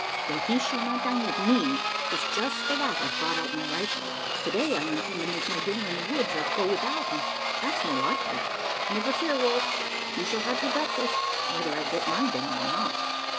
Well, he shall not dine with me. 'Tis just for that I've brought out my rifle. To day, I intend to make my dinner in the woods, or go without, and that's more likely. Never fear, Wolf! you shall have your breakfast; whether I get my dinner or not.